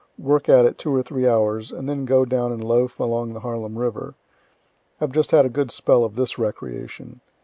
Work at it two or three hours, and then go down and loaf along the Harlem river; have just had a good spell of this recreation.